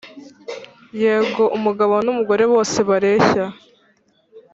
Yego umugabo n’umugore bose bareshya.